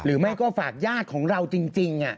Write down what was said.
หรือไม่ก็ฝากญาติของเราจริง